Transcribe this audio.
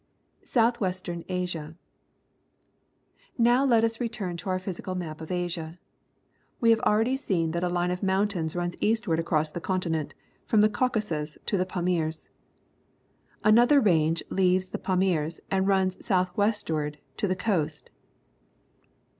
,/)^ S outh w est ern Asia. — Now let us return to our physical map of Asia. We have already seen that a line of mountains runs eastward across the continent from the Caucasus to the Pamirs. Another range leaves the Pamirs and runs south westward to the coast.